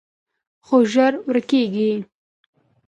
خو ژر ورکېږي